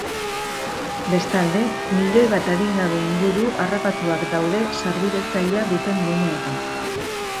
Bestalde, milioi bat adingabe inguru harrapatuak daude sarbide zaila duten guneetan.